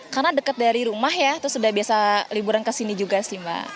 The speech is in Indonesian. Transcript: karena dekat dari rumah ya terus sudah biasa liburan ke sini juga sih mbak